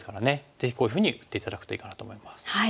ぜひこういうふうに打って頂くといいかなと思います。